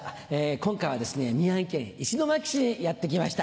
今回は宮城県石巻市にやって来ました。